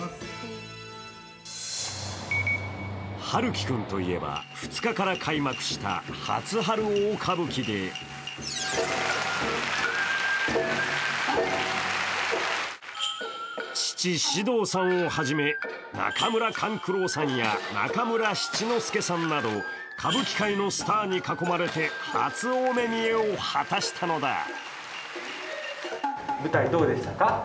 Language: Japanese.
陽喜君といえば、２日から開幕した「初春大歌舞伎」で父・獅童さんをはじめ中村勘九郎さんや中村七之助さんなど歌舞伎界のスターに囲まれて初お目見えを果たしたのだ。